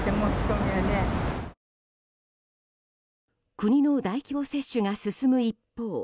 国の大規模接種が進む一方